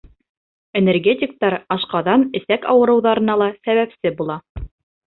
Энергетиктар ашҡаҙан-эсәк ауырыуҙарына ла сәбәпсе була.